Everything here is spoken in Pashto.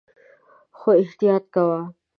خو احتیاط کوم